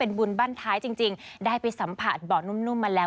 บุญบ้านท้ายจริงได้ไปสัมผัสเบาะนุ่มมาแล้ว